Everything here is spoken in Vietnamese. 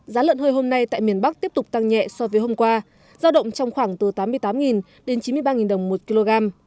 giá lợn hơi hôm nay tại miền bắc tiếp tục tăng nhẹ so với hôm qua giao động trong khoảng từ tám mươi tám đến chín mươi ba đồng một kg